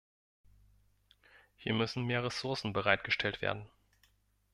Hier müssen mehr Ressourcen bereitgestellt werden.